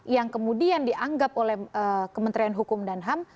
yang kemudian dianggap oleh kementerian hukum dan ham